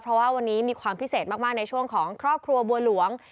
เพราะว่าวันนี้มีความพิเศษมากในช่วงของครอบครัวบัวหลวง